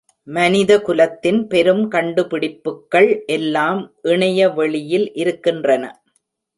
மனித குலத்தின் பெரும் கண்டுபிடிப்புக்கள் எல்லாம் இணைய வெளியில் இருக்கின்றன.